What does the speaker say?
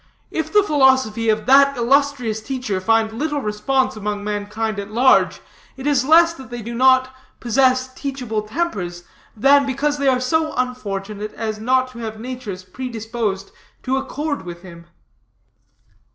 If the philosophy of that illustrious teacher find little response among mankind at large, it is less that they do not possess teachable tempers, than because they are so unfortunate as not to have natures predisposed to accord with him.